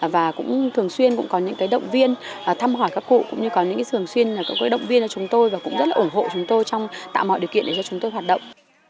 và cũng thường xuyên cũng có những cái động viên thăm hỏi các cụ cũng như có những cái thường xuyên là có cái động viên cho chúng tôi và cũng rất là ổn hộ chúng tôi trong tạo mọi điều kiện để cho chúng tôi hoạt động